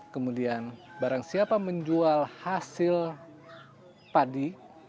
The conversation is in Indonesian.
kemudian barang siapa menjual hasil padi